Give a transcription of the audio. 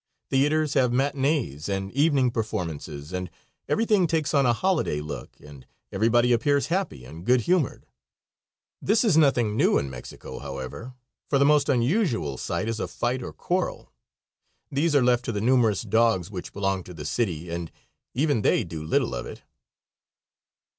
Theaters have matinees and evening performances, and everything takes on a holiday look, and everybody appears happy and good humored. This is nothing new in Mexico, however, for the most unusual sight is a fight or quarrel. These are left to the numerous dogs which belong to the city, and even they do little of it.